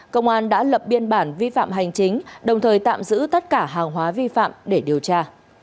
công an đã lập biên bản vi phạm hành chính đồng thời tạm giữ tất cả hàng hóa vi phạm để điều tra